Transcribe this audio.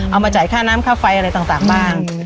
เอามาจ่ายค่าน้ำค่าไฟอะไรต่างบ้าง